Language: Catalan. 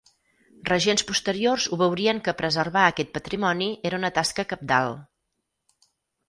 Regents posteriors ho veurien que preservar aquest patrimoni era una tasca cabdal.